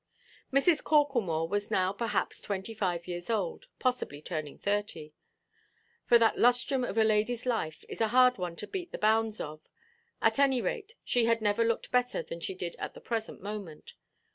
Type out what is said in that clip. Mrs. Corklemore was now, perhaps, twenty–five years old, possibly turning thirty; for that lustrum of a ladyʼs life is a hard one to beat the bounds of; at any rate, she had never looked better than she did at the present moment.